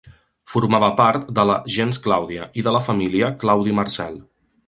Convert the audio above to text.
Formava part de la gens Clàudia, i de la família Claudi Marcel.